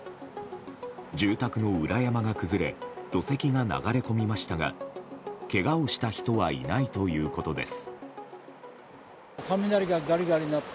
住宅の裏山が崩れ土石が流れ込みましたがけがをした人はいないということです。